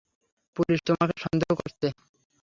Police তোমাকে সন্দেহ করছে।